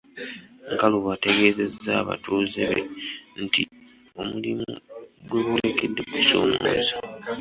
Nkalubo ategeezezza abatuuze be nti omulimu gwe boolekedde gusoomooza.